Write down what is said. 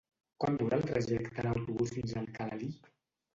Quant dura el trajecte en autobús fins a Alcalalí?